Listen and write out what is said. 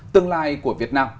tương lai của việt nam